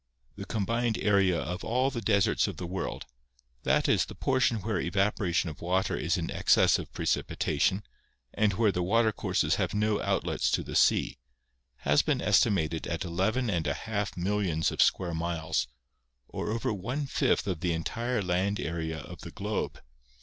— The combined area of all of the deserts of the world, that is, the portion where evaporation of water is in excess of precipitation, and where the water courses have no out lets to the sea, has been estimated at eleven and a half millions of square miles, or over one fifth of the entire land area of the globe.